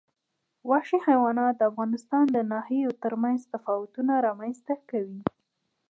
وحشي حیوانات د افغانستان د ناحیو ترمنځ تفاوتونه رامنځ ته کوي.